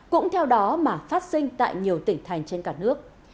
cũng theo đó mà phát sinh tại nhiều tỉnh thành trên cả nước